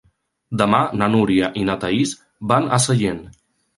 Demà na Núria i na Thaís van a Sellent.